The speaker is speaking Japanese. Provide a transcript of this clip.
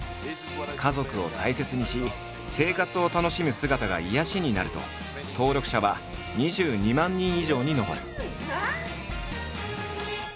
家族を大切にし生活を楽しむ姿が癒やしになると登録者は２２万人以上に上る。